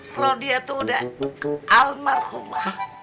pro dia tuh udah almarhumah